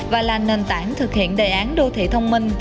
và là nền tảng thực hiện đề án đô thị thông minh